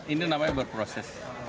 ini namanya berproses